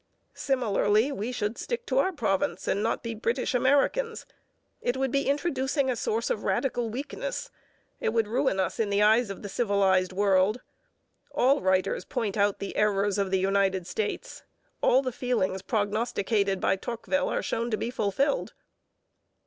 Similarly we should stick to our province and not be British Americans. It would be introducing a source of radical weakness. It would ruin us in the eyes of the civilized world. All writers point out the errors of the United States. All the feelings prognosticated by Tocqueville are shown to be fulfilled.